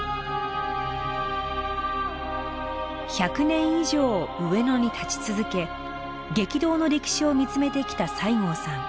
１００年以上上野に立ち続け激動の歴史を見つめてきた西郷さん。